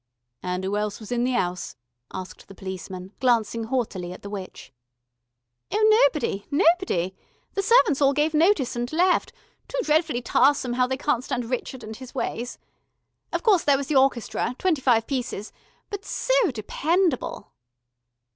"And 'oo else was in the 'ouse?" asked the policeman, glancing haughtily at the witch. "Oh nobody, nobody. The servants all gave notice and left too dretfully tahsome how they can't stand Rrchud and his ways. Of course there was the orchestra twenty five pieces but so dependable."